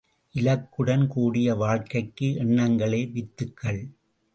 இலக்குடன் கூடிய வாழ்க்கைக்கு எண்ணங்களே வித்துக்கள்!